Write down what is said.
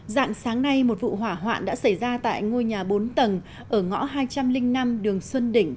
dạng sáng nay một vụ hỏa hoạn đã xảy ra tại ngôi nhà bốn tầng ở ngõ hai trăm linh năm đường xuân đỉnh